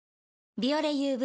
「ビオレＵＶ」